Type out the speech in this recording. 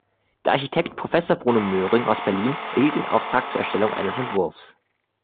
Der Architekt Professor Bruno Möhring aus Berlin erhielt den Auftrag zur Erstellung eines Entwurfs.